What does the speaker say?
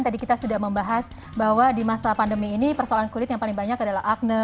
tadi kita sudah membahas bahwa di masa pandemi ini persoalan kulit yang paling banyak adalah akne